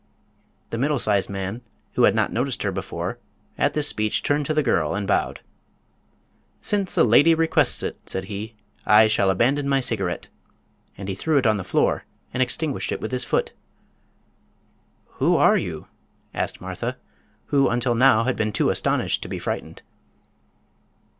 The middle sized man, who had not noticed her before, at this speech turned to the girl and bowed. "Since a lady requests it," said he, "I shall abandon my cigarette," and he threw it on the floor and extinguished it with his foot. "Who are you?" asked Martha, who until now had been too astonished to be frightened.